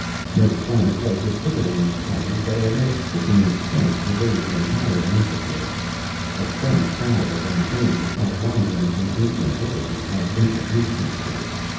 No sign of life was visible in these tunnels, but a most sickening stench pervaded the entire amphitheatre a stench fouler than any which my wanderings in Indian villages have introduced me to.